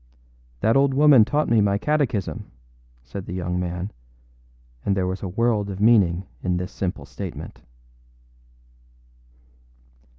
âThat old woman taught me my catechism,â said the young man; and there was a world of meaning in this simple comment.